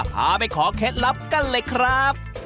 พาไปขอเคล็ดลับกันเลยครับ